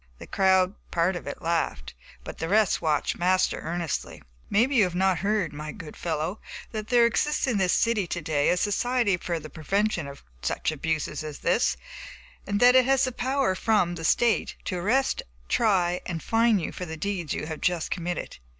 The crowd (part of it) laughed, but the rest watched Master earnestly. "Maybe you have not heard, my good fellow, that there exists in this city to day a society for the prevention of such abuses as this; and that it has power from the State to arrest, try and fine you for the deeds you have just committed.